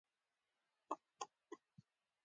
کوریا ټاپو وزمې د ګډ تاریخ اوږده مرحله تېره کړې ده.